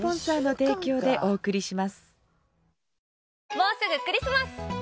もうすぐクリスマス！